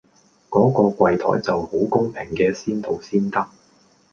嗰個櫃檯就好公平嘅先到先得